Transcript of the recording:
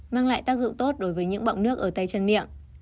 mang lại tác dụng tốt đối với những bọng nước ở tay chân miệng